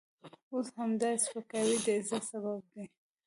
اوس همدا سپکاوی د عزت سبب دی.